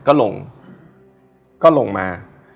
ก็ลงลงมา